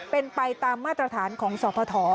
เป็นไปตามมาตรฐานของสพ